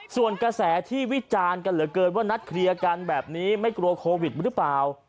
ส่วนกระแสที่วิจารณ์กันเหลือเกินว่านัดเคลียร์กันแบบนี้ไม่กลัวโควิดหรือเปล่า